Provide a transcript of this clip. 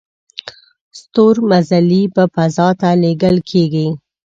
ستورمزلي په فضا ته لیږل کیږي